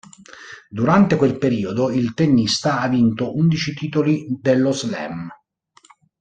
Durante quel periodo il tennista ha vinto undici titoli dello Slam.